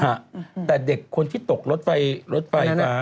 ฮะแต่เด็กคนที่ตกรถไฟกา